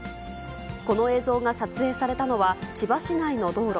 この映像が撮影されたのは千葉市内の道路。